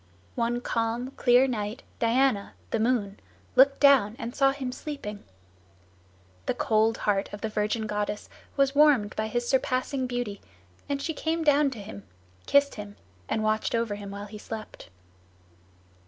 One calm, clear night Diana, the moon, looked down and saw him sleeping. The cold heart of the virgin goddess was warmed by his surpassing beauty, and she came down to him, kissed him, and watched over him while he slept.